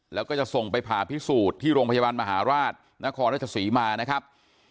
แล้วก็จะส่งไปผ่าพิสูจน์ที่โรงพยาบาลมหาราชนครราชศรีมานะครับ